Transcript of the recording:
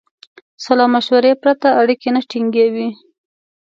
سلامشورې پرته اړیکې نه ټینګوي.